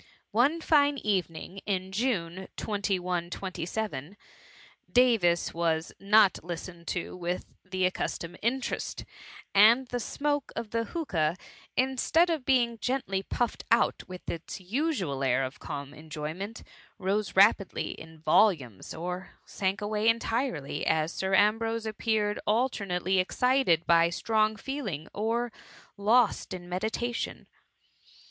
One fine evening in June, S127, Davis was THE MUMMY. S5 not listened to with the accustomed interest > and the smoke of the hookah, instead of being gently puffed out with its usual air of calm enjoyment, rose rapidly in volumes, or sank entirely away, as Sir Ambrose appeared alter nately excited by strong feeling, or lost in me ditation.